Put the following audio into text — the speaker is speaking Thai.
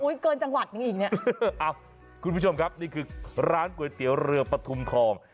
เกินจังหวัดนี้อีกเนี่ยอ้าวคุณผู้ชมครับนี่คือร้านก๋วยเตี๋ยวเรือปฐุมทอง